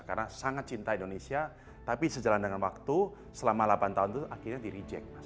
karena sangat cinta indonesia tapi sejalan dengan waktu selama delapan tahun itu akhirnya direjek